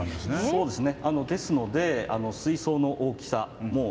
そうですね。